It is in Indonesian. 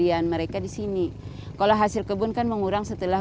yang dijualnya adalah